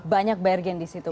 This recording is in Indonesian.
banyak bergen di situ